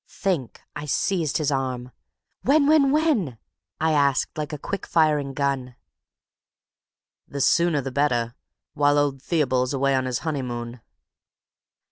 Think! I seized his arm. "When? When? When?" I asked, like a quick firing gun. "The sooner the better, while old Theobald's away on his honeymoon."